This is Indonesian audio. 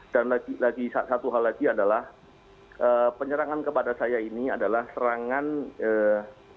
lagi satu hal lagi adalah penyerangan kepada saya ini adalah serangan